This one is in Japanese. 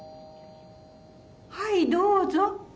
はいどうぞ。